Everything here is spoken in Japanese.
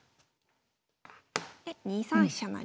で２三飛車成。